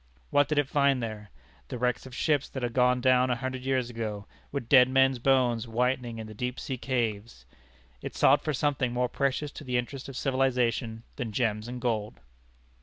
What did it find there? The wrecks of ships that had gone down a hundred years ago, with dead men's bones whitening in the deep sea caves? It sought for something more precious to the interest of civilization than gems and gold.